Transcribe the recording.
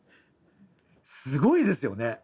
すごいですよね。